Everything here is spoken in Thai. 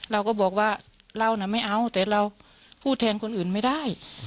เราก็บอกว่าเราน่ะไม่เอาแต่เราพูดแทนคนอื่นไม่ได้